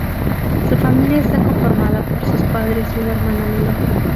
Su familia está conformada por sus padres y una hermana menor.